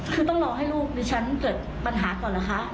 คือต้องรอให้ลูกดิฉันเกิดปัญหาก่อนเหรอคะ